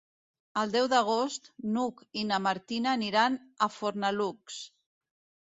El deu d'agost n'Hug i na Martina aniran a Fornalutx.